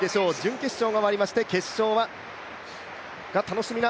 準決勝が終わりまして決勝が楽しみな